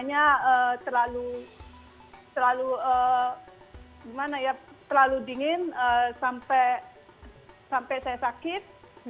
ya terlalu terlalu gimana ya terlalu dingin sampai saya sakit